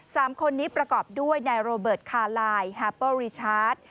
สามคนนี้ประกอบด้วยนายโรเบิร์ตคารายแฮปเปิ้ลริชาร์ด